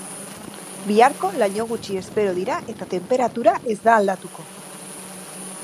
Biharko laino gutxi espero dira eta tenperatura ez da aldatuko.